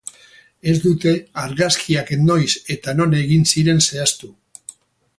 Ez dute argazkiak noiz eta non egin ziren zehaztu.